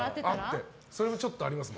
それはちょっとありますね。